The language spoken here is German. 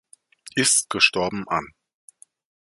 Ist gestorben an.